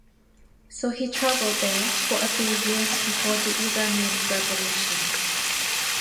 So he traveled there for a few years before the Iranian Revolution.